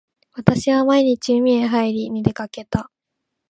私は毎日海へはいりに出掛けた。